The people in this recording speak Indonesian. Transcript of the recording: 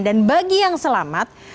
dan bagi yang selamat